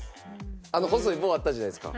あの細い棒あったじゃないですか。